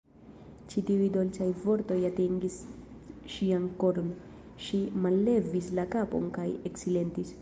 Ĉi tiuj dolĉaj vortoj atingis ŝian koron; ŝi mallevis la kapon kaj eksilentis.